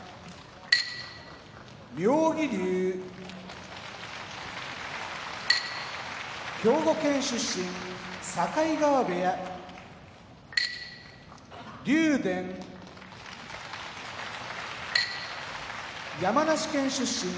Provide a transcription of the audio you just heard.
妙義龍兵庫県出身境川部屋竜電山梨県出身